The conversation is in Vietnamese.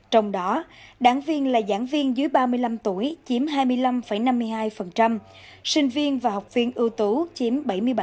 trong đó đảng viên là giảng viên dưới ba mươi năm tuổi chiếm hai mươi năm năm mươi hai sinh viên và học viên ưu tủ chiếm bảy mươi bảy bốn mươi tám